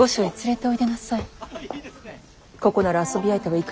はい。